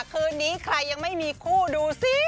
คืนนี้ใครยังไม่มีคู่ดูสิ